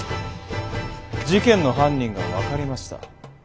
事件の犯人が分かりました。